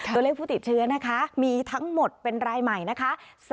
ตัวเลขผู้ติดเชื้อนะคะมีทั้งหมดเป็นรายใหม่นะคะ